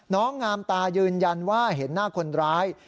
งามตายืนยันว่าเห็นหน้าคนร้าย